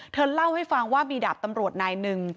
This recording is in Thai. เธอเล่าให้ฟังว่ามีดาบตำรวจนายหนึ่ง